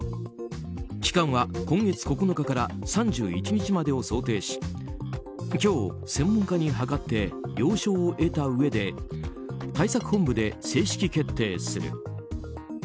期間は今月９日から３１日までを想定し今日、専門家に諮って了承を得たうえで対策本部で正式決定する。